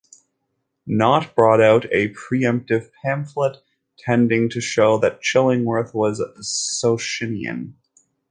Knott brought out a preemptive pamphlet tending to show that Chillingworth was a Socinian.